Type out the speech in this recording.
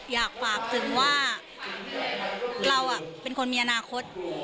อยากฝากถึงว่าเราเป็นคนมีอนาคต